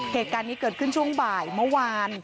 เหตุการณ์นี้เกิดขึ้นช่วงบ่ายเมื่อวาน